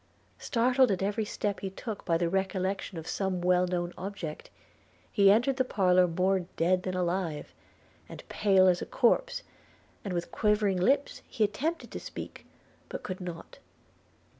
Startled at every step he took by the recollection of some well known object, he entered the parlour more dead than alive, and pale as a corpse, and with quivering lips, he attempted to speak, but could not.